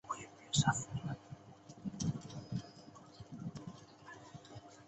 他曾经是英国体操国家队的成员。